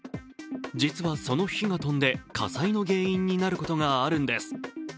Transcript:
実はその火が飛んで、火災の原因になることがあるのです。